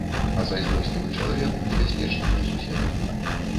А зайздрослівы чалавек небяспечны для суседа.